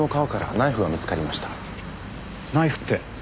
ナイフって？